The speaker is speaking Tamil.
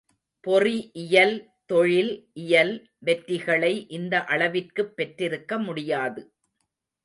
பொறி இயல், தொழில் இயல் வெற்றிகளை இந்த அளவிற்குப் பெற்றிருக்க முடியாது.